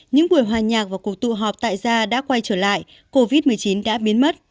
những buổi hòa nhạc và cuộc tụ họp tại gia đã quay trở lại covid một mươi chín đã biến mất